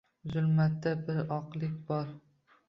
Zulmatda bir oqlik bor.